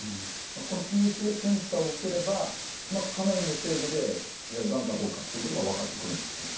このＰＳＡ検査を受ければかなりの精度でがんかどうかっていうことが分かってくるんですか？